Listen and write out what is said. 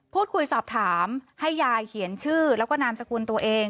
พูดคุยสอบถามให้ยายเขียนชื่อแล้วก็นามสกุลตัวเอง